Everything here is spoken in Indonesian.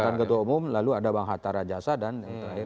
mantan ketua umum lalu ada bang hatta rajasa dan yang terakhir